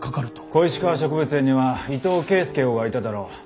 小石川植物園には伊藤圭介翁がいただろう？